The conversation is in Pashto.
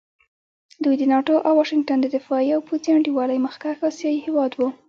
دوی د ناټو او واشنګټن د دفاعي او پوځي انډیوالۍ مخکښ اسیایي هېواد وو.